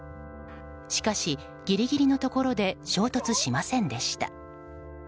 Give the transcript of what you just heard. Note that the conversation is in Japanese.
しかし、ギリギリのところで衝突しませんでした。